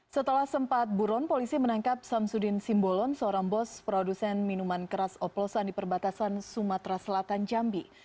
setelah sempat buron polisi menangkap samsudin simbolon seorang bos produsen minuman keras oplosan di perbatasan sumatera selatan jambi